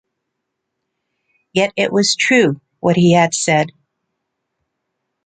Yet it was true, what he had said.